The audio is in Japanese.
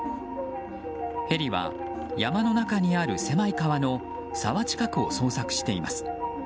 ヘリは山の中にある狭い川の沢近くを捜索しています。